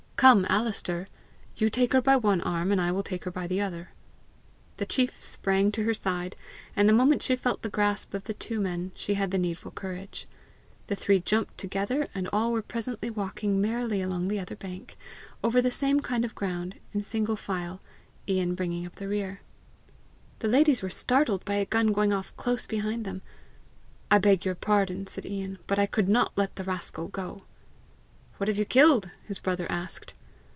Come, Alister! you take her by one arm and I will take her by the other." The chief sprang to her side, and the moment she felt the grasp of the two men, she had the needful courage. The three jumped together, and all were presently walking merrily along the other bank, over the same kind of ground, in single file Ian bringing up the rear. The ladies were startled by a gun going off close behind them. "I beg your pardon," said Ian, "but I could not let the rascal go." "What have you killed?" his brother asked.